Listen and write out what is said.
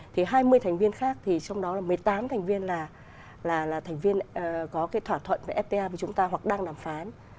thì hai mươi thành viên khác thì trong đó là một mươi tám thành viên là thành viên có cái thỏa thuận với fta với chúng ta hoặc đang đàm phán